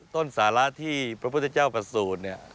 ต้นสาระที่พระพุทธเจ้าประสูจน์